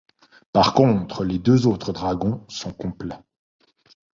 Par contre, les deux autres dragons sont complets.